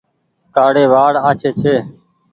ڪآڙي وآڙ آڇي ڇي۔